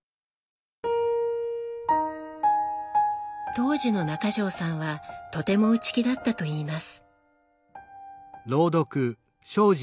当時の中条さんはとても内気だったといいます。